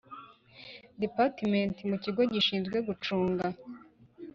Department mu kigo gishinzwe gucunga